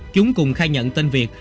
chúng cùng khai nhận tên việt